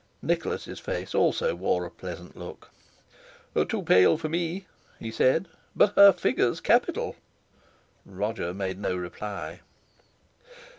Nicholas's face also wore a pleasant look. "Too pale for me," he said, "but her figures capital!" Roger made no reply.